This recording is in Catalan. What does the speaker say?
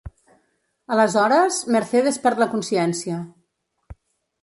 Aleshores Mercedes perd la consciència.